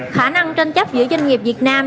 khả năng tranh chấp giữa doanh nghiệp việt nam